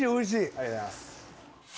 ありがとうございます。